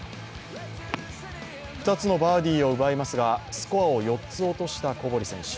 ２つのバーディーを奪いますが、スコアを４つ落としたコボリ選手。